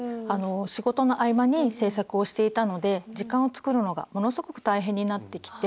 仕事の合間に制作をしていたので時間をつくるのがものすごく大変になってきて。